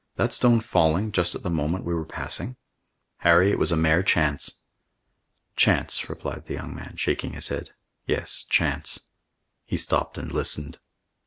"That stone falling just at the moment we were passing." "Harry, it was a mere chance." "Chance," replied the young man, shaking his head. "Yes, chance." He stopped and listened.